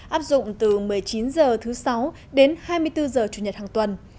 áp dụng từ một mươi chín h thứ sáu đến hai mươi bốn h chủ nhật hàng tuần